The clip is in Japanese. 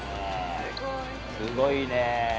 すごいね。